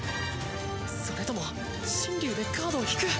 それとも神龍でカードを引く？